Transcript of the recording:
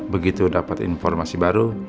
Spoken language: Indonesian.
begitu dapat informasi baru